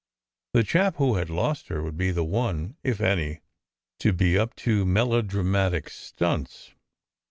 The chap who had lost her would be the one, if any, to be up to melo dramatic stunts.